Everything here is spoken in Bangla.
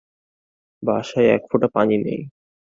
বাসায় এক ফোঁটা পানি নেই।